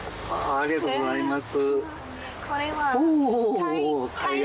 ありがとうございます。